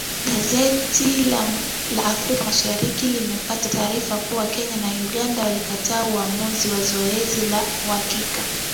Gazeti la Afrika Mashariki limepata taarifa kuwa Kenya na Uganda walikataa uamuzi wa zoezi la uhakiki.